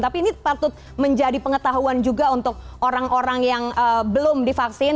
tapi ini patut menjadi pengetahuan juga untuk orang orang yang belum divaksin